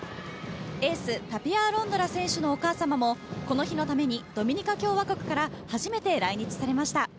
エースタピア・アロンドラ選手のお母さまもこの日のためにドミニカ共和国から初めて来日されました。